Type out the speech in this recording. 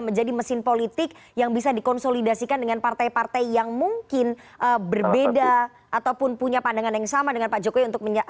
menjadi mesin politik yang bisa dikonsolidasikan dengan partai partai yang mungkin berbeda ataupun punya pandangan yang sama dengan pak jokowi